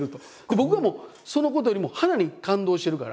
僕はもうそのことよりも花に感動してるから。